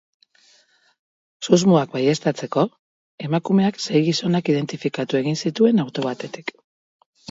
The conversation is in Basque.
Susmoak baieztatzeko, emakumeak sei gizonak identifikatu egin zituen auto batetik.